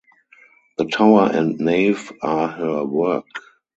The tower and nave are her work.